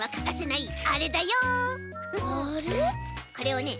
これをね